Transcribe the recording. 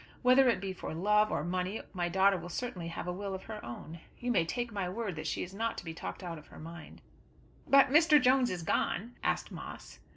Whether it be for love or money my daughter will certainly have a will of her own. You may take my word that she is not to be talked out of her mind." "But Mr. Jones is gone?" asked Moss.